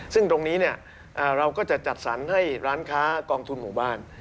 ซึ่งตรงนี้เราก็จะจัดสรรให้ร้านค้ากองทุนหมู่บ้าน